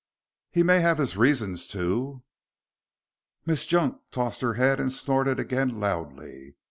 "He may have his reasons to " Miss Junk tossed her head and snorted again loudly.